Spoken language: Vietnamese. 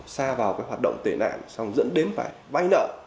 xa vào cái hoạt động tệ nạn xong dẫn đến phải vay nợ